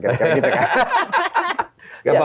pak prabowo ingin merangkul semua